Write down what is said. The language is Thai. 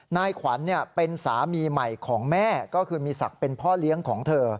นายขวัญเป็นสามีใหม่ของแม่ก็คือมีศักดิ์เป็นพ่อเลี้ยงของเธอ